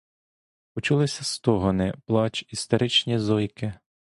Почулися стогони, плач, істеричні зойки.